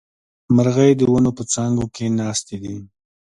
مرغۍ د ونو په څانګو کې ناستې دي